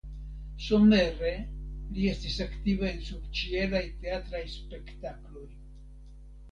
Somere li estis aktiva en subĉielaj teatraj spektakloj.